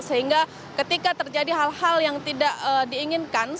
sehingga ketika terjadi hal hal yang tidak diinginkan